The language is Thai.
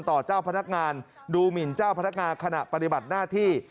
เจ้าพนักงานดูหมินเจ้าพนักงานขณะปฏิบัติหน้าที่